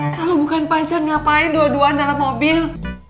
kalau bukan pacar ngapain dua duaan dalam mobil